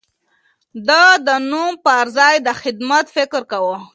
ده د نوم پر ځای د خدمت فکر کاوه.